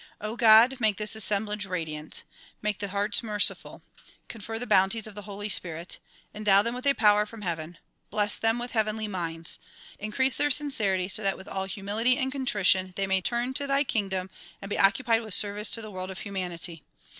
God! make this assemblage radiant. Make the hearts merciful. Confer the bounties of the Holy Spirit. Endow them with a power from heaven. Bless them with heavenly minds. Increase their sincerity so that with all humility and contrition they may turn to thy kingdom and be occupied with service to the world of humanity.